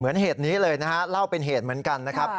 เหตุนี้เลยนะฮะเล่าเป็นเหตุเหมือนกันนะครับ